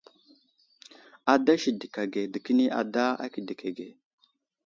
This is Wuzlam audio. Ada sədək age dekəni ada kedək age.